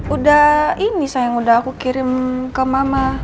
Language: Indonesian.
udah ini sayang udah aku kirim ke mama